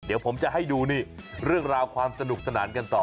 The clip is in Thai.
เดี๋ยวผมจะให้ดูนี่เรื่องราวความสนุกสนานกันต่อ